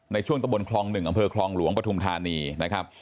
ในช่วงตะบนคลอง๑อำเภอคลองหลวงปฐุมธานีนะครับ